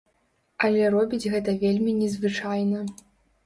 Але робіць гэта вельмі незвычайна.